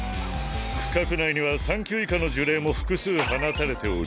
区画内には三級以下の呪霊も複数放たれており